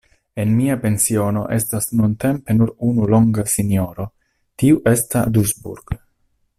En mia pensiono estas nuntempe nur unu longa sinjoro, tiu estas Dusburg.